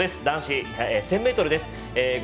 男子１０００ｍです。